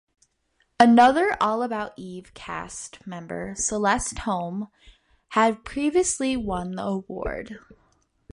Another "All About Eve" cast member, Celeste Holm, had previously won the award.